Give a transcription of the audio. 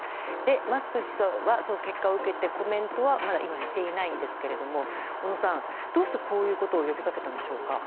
マスク氏は、その結果を受けてコメントはまだしていませんが小野さん、どうしてこういうことを呼びかけたのでしょうか。